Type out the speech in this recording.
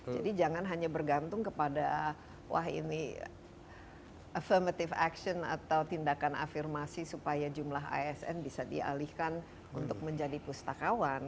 jadi jangan hanya bergantung kepada wah ini affirmative action atau tindakan afirmasi supaya jumlah asn bisa dialihkan untuk menjadi pustakawan